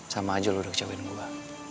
sama aja lo udah kecewain gue